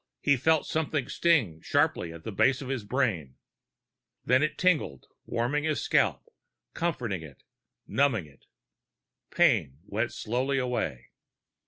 He felt something sting sharply at the base of his brain. Then it tingled, warming his scalp, comforting it, numbing it. Pain went slowly away.